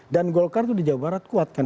golkar itu di jawa barat kuat kan